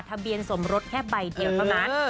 ทะเบียนสมรสแค่ใบเดียวกัน